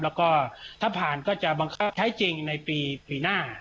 แล้วก็ถ้าผ่านก็จะบังคับใช้จริงในปีหน้า